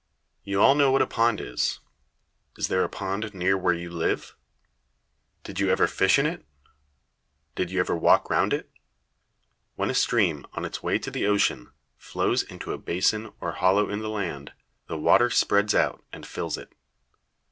You all know what a pond is. Is there a pond near where you live? Did you ever fish in it? Did you ever walk round it? When a stream, on its way to the ocean, flows into a basin or hollow in the land, the water spreads out and fills it.